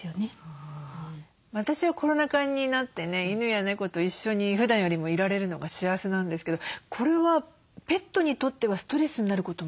私はコロナ禍になってね犬や猫と一緒にふだんよりもいられるのが幸せなんですけどこれはペットにとってはストレスになることもあるんですかね？